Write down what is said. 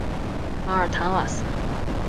马尔坦瓦斯。